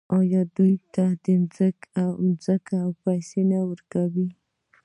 آیا دوی ته ځمکه او پیسې نه ورکوي؟